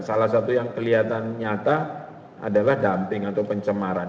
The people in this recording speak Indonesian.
salah satu yang kelihatan nyata adalah dumping atau pencemaran